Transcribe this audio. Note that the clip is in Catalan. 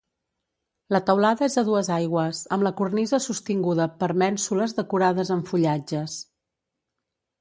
La teulada és a dues aigües, amb la cornisa sostinguda per mènsules decorades amb fullatges.